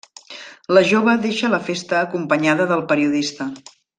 La jove deixa la festa acompanyada del periodista.